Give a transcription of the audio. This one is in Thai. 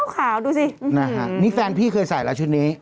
ขาวดูสิอื้อหื้มนี่แฟนพี่เคยใส่ละชุดนี้